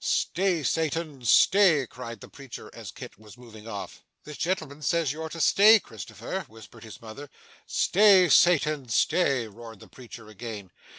'Stay, Satan, stay!' cried the preacher, as Kit was moving off. 'This gentleman says you're to stay, Christopher,' whispered his mother. 'Stay, Satan, stay!' roared the preacher again.